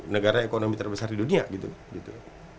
negara ekonomi terbesar di dunia gitu